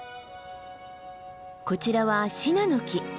こちらはシナノキ。